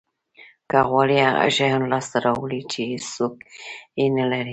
که غواړی هغه شیان لاسته راوړی چې هیڅوک یې نه لري